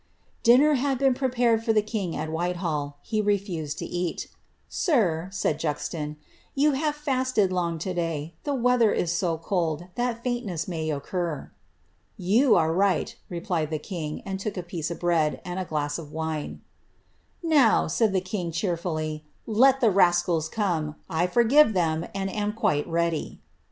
id been prepared for the king at Whitehall ; he refused to * said Juxon, ^ you have fasted long to day, the weather is t faintness may occur." i right,'' replied the king, and took a piece of bread, and a e. said the king, cheerfully, ^ let the rascals come. I have m, and am quite ready."